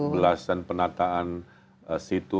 belasan penataan situ